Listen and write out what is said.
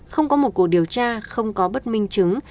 không có một cuộc điều tra không có bất minh chứng